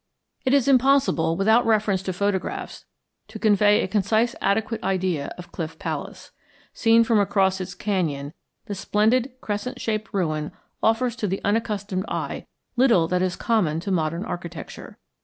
It is impossible, without reference to photographs, to convey a concise adequate idea of Cliff Palace. Seen from across its canyon the splendid crescent shaped ruin offers to the unaccustomed eye little that is common to modern architecture.